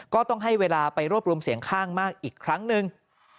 ก็ต้องให้เวลาไปรวบรวมเสียงข้างมากอีกครั้งหนึ่ง